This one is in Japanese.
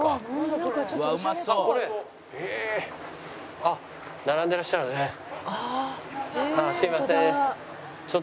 ああすいません。